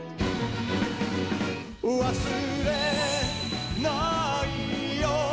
「忘れないよ」